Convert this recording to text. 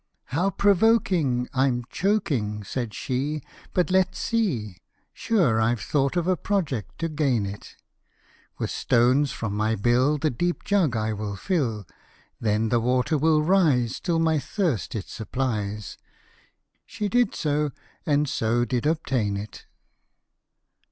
" How provoking ! I'm choaking !" Said she ;" but let's see ! Sure I've thought of a project to gain it ; With stones from my bill the deep jug I will fill; Then the water will rise, till my thirst it supplies/'* She did so, and so did obtain it.